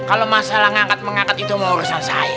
kalau masalah ngangkat mengangkat itu mau urusan saya